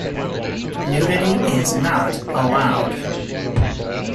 Nudity is not allowed.